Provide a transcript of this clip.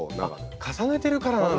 あっ重ねてるからなんだ！